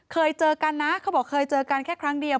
เคยเจอกันนะเขาบอกเคยเจอกันแค่ครั้งเดียว